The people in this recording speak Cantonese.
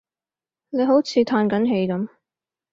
你好似歎緊氣噉